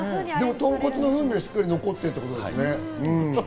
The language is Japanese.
豚骨の風味がしっかり残ってってことですね。